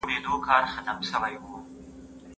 په ميرمن کي حتماً داسي خويونه هم سته، چي د خاوند خوښ وي.